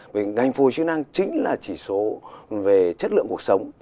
vì ngành phù hợp chức năng chính là chỉ số về chất lượng cuộc sống